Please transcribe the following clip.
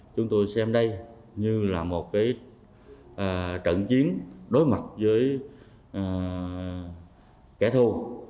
chúng tôi xem đây như là một trận chiến đối mặt với kẻ thù